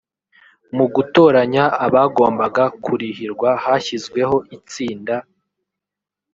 mu gutoranya abagombaga kurihirwa hashyizweho itsinda